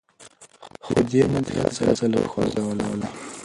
خو دې مدنيت ښځه له پښو وغورځوله